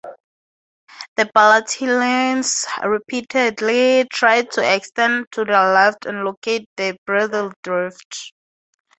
The battalions repeatedly tried to extend to the left and locate the Bridle Drift.